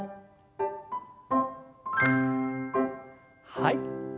はい。